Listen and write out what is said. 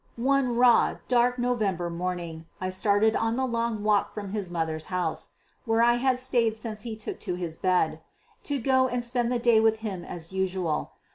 One raw, dark November morning I started on the long walk from his mother's house, where I had stayed since he took to his bed, to go and spend the day with him as usual.